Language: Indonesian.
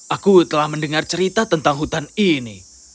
aku telah mendengar cerita tentang hutan ini